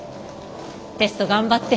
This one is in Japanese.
テスト頑張って。